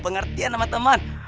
pengertian sama teman